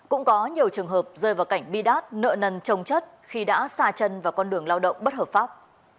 cũng có nhiều trường hợp rơi vào cảnh bi đát nợ nần trồng chất khi đã xa chân vào con đường lao động bất hợp pháp